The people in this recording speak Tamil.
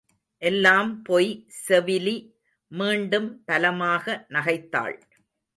எல்லாம் பொய் செவிலி மீண்டும் பலமாக நகைத்தாள்.